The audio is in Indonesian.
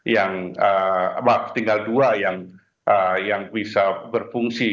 yang tinggal dua yang bisa berfungsi